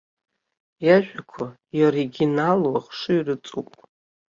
Иажәақәа иоригиналу ахшыҩ рыҵоуп.